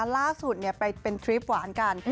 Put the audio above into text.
ล่าสุดไปเป็นทริปหวานกัน